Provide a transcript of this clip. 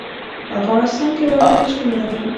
په افغانستان کې وګړي شتون لري.